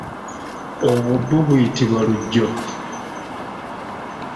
Obw'o bw'o buyitibwa lujjo.